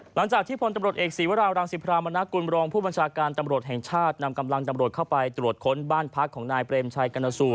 หลังจากที่พลตำรวจเอกศีวราวรังสิพรามณกุลบรองผู้บัญชาการตำรวจแห่งชาตินำกำลังตำรวจเข้าไปตรวจค้นบ้านพักของนายเปรมชัยกรณสูตร